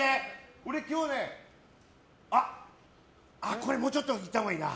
俺、今日ね、これもうちょっといったほうがいいな。